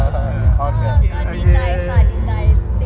แล้วก็ดีใจสิ่งแรกหลายสิ่งอ่าว